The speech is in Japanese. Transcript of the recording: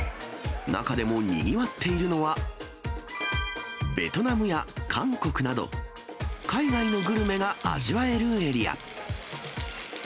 中でもにぎわっているのは、ベトナムや韓国など、海外のグルメが味わえるエリア。